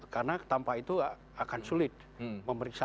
karena tanpa itu akan sulit memeriksa